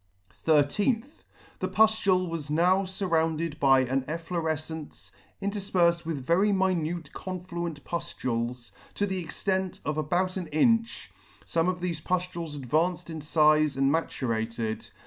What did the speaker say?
13th. The puftule was now furrounded by an efflorefcence, interfperfed with very minute confluent puftules, to the extent of about an inch. Some of thefe puftules advanced in fize and maturated.